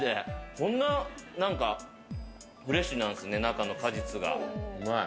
こんなにフレッシュなんですね、中の果実が。